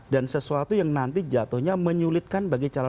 dan sesuatu yang nanti jatuhnya menyulitkan bagi calon